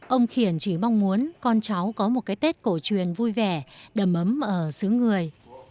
ông khiển chỉ mong muốn con cháu có một cái tết cổ truyền vui vẻ đầm ấm ở xứ người